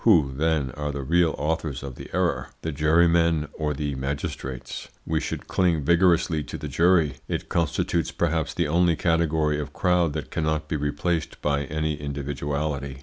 Who, then, are the real authors of the error the jurymen or the magistrates? We should cling vigorously to the jury. It constitutes, perhaps, the only category of crowd that cannot be replaced by any individuality.